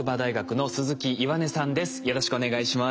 よろしくお願いします。